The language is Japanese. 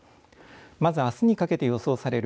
まず、あすにかけて予想される